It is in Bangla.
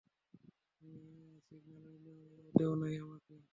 তুমি সিগন্যালই দেও নাই, আমাকে।